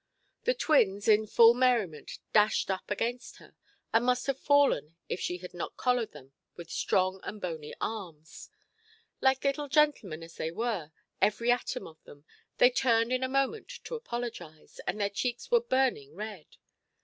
The twins in full merriment dashed up against her, and must have fallen if she had not collared them with strong and bony arms. Like little gentlemen, as they were, every atom of them, they turned in a moment to apologise, and their cheeks were burning red.